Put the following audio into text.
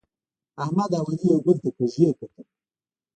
احمد او علي یو بل ته کږي کتل.